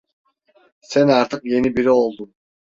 Sen artık yeni biri oldun…